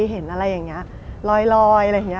เห็นอะไรอย่างนี้ลอย